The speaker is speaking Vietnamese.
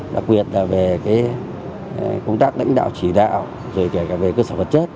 đặc biệt là về công tác lãnh đạo chỉ đạo rồi kể cả về cơ sở vật chất